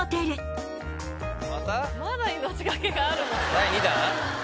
第２弾？